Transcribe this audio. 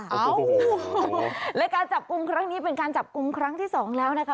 เอ้าและการจับกลุ่มครั้งนี้เป็นการจับกลุ่มครั้งที่สองแล้วนะคะ